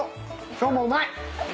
今日もうまい？